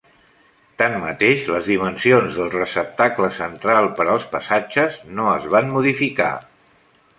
Tanmateix, les dimensions del receptacle central per als passatges no es van modificar.